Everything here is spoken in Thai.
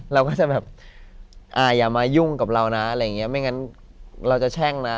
เราก็จะแบบอ่าอย่ามายุ่งกับเรานะอะไรอย่างเงี้ไม่งั้นเราจะแช่งนะ